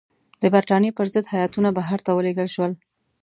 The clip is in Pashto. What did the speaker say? د برټانیې پر ضد هیاتونه بهر ته ولېږل شول.